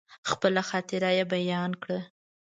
خپله خاطره يې بيان کړه.